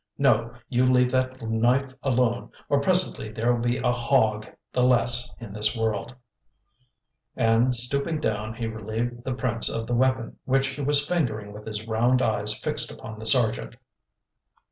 No, you leave that knife alone, or presently there'll be a hog the less in this world," and stooping down he relieved the Prince of the weapon which he was fingering with his round eyes fixed upon the Sergeant.